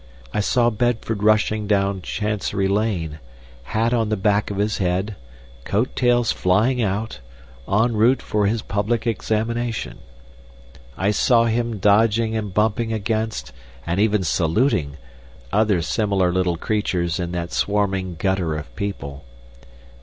I saw Bedford rushing down Chancery Lane, hat on the back of his head, coat tails flying out, en route for his public examination. I saw him dodging and bumping against, and even saluting, other similar little creatures in that swarming gutter of people.